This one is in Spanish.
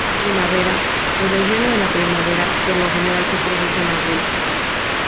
Primavera, o deshielo de la primavera, por lo general se produce en abril.